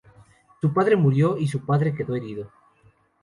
Su padre murió, y su padre quedó herido.